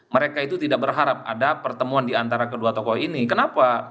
mereka itu tidak berharap ada pertemuan di antara kedua tokoh ini kenapa